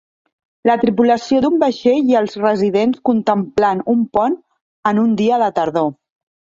La tripulació d'un vaixell i els residents contemplant un pont en un dia de tardor.